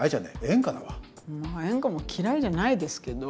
「演歌も嫌いじゃないですけど」。